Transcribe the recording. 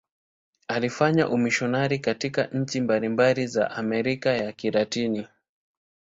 Alifanya umisionari katika nchi mbalimbali za Amerika ya Kilatini.